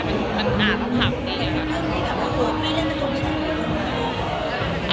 แล้วก็มีแบบว่าบีฟรีมมันต้องผ่าคนดีอะไรอย่างนี้ครับ